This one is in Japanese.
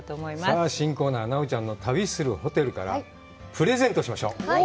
さあ、新コーナー、奈緒ちゃんの「旅するホテル」からプレゼントしましょう。